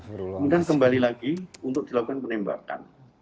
kemudian kembali lagi untuk dilakukan penembakan